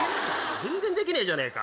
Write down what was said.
全然できねえじゃねぇか。